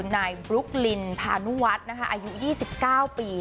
นายบรุ๊คลินพาณุวัฒน์อายุ๒๙ปี